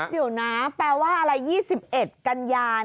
เดี๋ยวนะแปลว่าอะไร๒๑กันยา